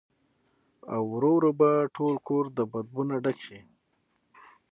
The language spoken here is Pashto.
او ورو ورو به ټول کور د بدبو نه ډک شي